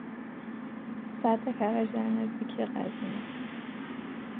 سد کرج در نزدیکی قزوین است.